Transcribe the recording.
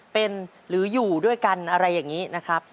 เป็นหรืออยู่ด้วยกันอะไรอย่างนี้นะครับ